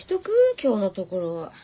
今日のところは。